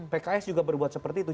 pks juga berbuat seperti itu